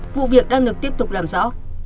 vụ việc đang được tiếp tục làm rõ